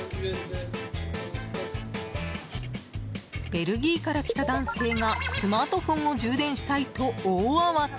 ベルギーから来た男性がスマートフォンを充電したいと大慌て。